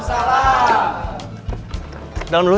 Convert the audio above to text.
berhasil tahu apa yang orang contribute